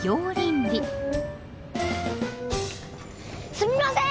すみません！